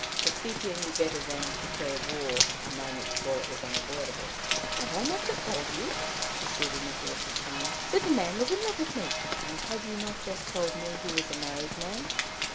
But Sepia knew better than declare war a moment before it was unavoidable. "Have I not just told you," she said, in a haughty tone, "that the man was in love with me?" "And have you not just told me he was a married man?